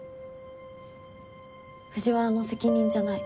「藤原の責任じゃない。